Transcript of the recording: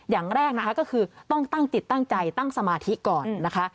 อย่างแรกนะคะก็คือต้องตั้งจิตตั้งใจตั้งสมาธิก่อนนะคะ